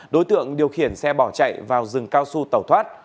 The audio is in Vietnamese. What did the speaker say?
đối tượng điều khiển xe bỏ chạy vào rừng cao su tẩu thoát